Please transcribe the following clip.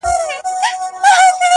• زخمي زخمي ټوټه ټوټه دي کړمه,